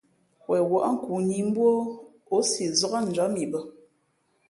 Wen wάʼ nkoo nǐ mbú o, ǒ si zák njǎm i bᾱ.